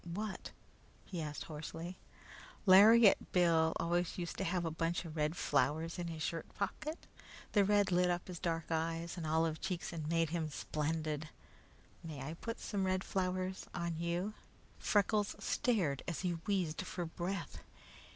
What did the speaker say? "What?" he asked hoarsely. "Lariat Bill used always to have a bunch of red flowers in his shirt pocket. The red lit up his dark eyes and olive cheeks and made him splendid. May I put some red flowers on you?" Freckles stared as he wheezed for breath.